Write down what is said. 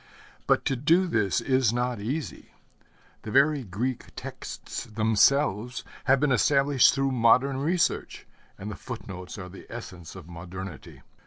But to do this is not easy. The very Greek texts themselves have been established through modern research, and the footnotes are the essence of modernity.